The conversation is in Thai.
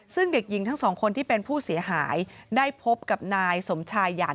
ซึ่งเด็กหญิงทั้งสองคนที่เป็นผู้เสียหายได้พบกับนายสมชายหยาน